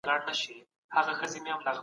تاسو مه هېروئ چې وخت ډېر قیمتي دی.